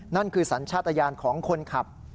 นั่นคือสัญชาติยานของคนขับ